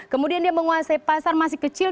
kemudian dia menguasai pasar masih kecil